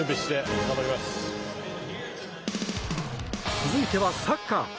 続いてはサッカー。